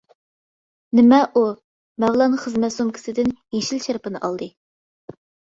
-نېمە، ئۇ؟ مەۋلان خىزمەت سومكىسىدىن يېشىل شارپىنى ئالدى.